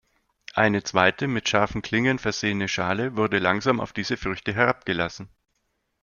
Eine zweite, mit scharfen Klingen versehene Schale wurde langsam auf diese Früchte herabgelassen.